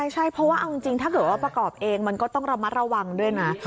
ใช่เพราะว่าเอาจริงถ้าเกิดว่าประกอบเองมันก็ต้องระมัดระวังด้วยนะ